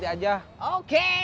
semua yang harus kamu beri